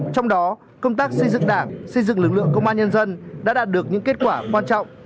trong đó công tác xây dựng đảng xây dựng lực lượng công an nhân dân đã đạt được những kết quả quan trọng